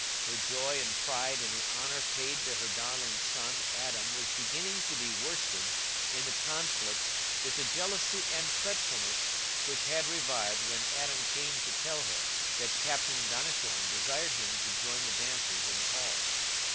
Her joy and pride in the honour paid to her darling son Adam was beginning to be worsted in the conflict with the jealousy and fretfulness which had revived when Adam came to tell her that Captain Donnithorne desired him to join the dancers in the hall.